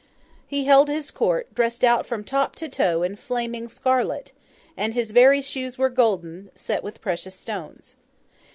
He held his Court, dressed out from top to toe in flaming scarlet; and his very shoes were golden, set with precious stones.